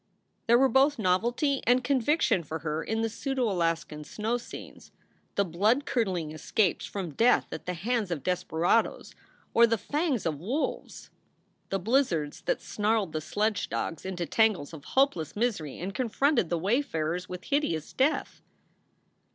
There were both novelty and conviction for her in the pseudo Alaskan snow scenes, the bloodcurdling escapes from death at the hands of desperadoes or the fangs of wolves, the blizzards that snarled the sledge dogs into tangles of hopeless misery and confronted the wayfarers with hideous death.